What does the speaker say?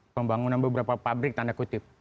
pembangunan beberapa pabrik tanda kutip